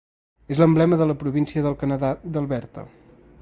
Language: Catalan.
És l'emblema de la província del Canadà d'Alberta.